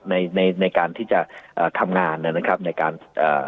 ในในในการที่จะเอ่อทำงานนะครับในการเอ่อ